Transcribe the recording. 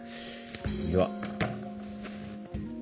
では。